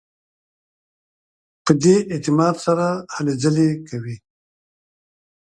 په دې اعتماد سره هلې ځلې کوي.